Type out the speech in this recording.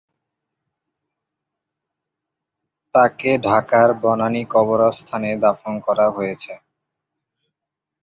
তাকে ঢাকার বনানী কবরস্থানে দাফন করা হয়েছে।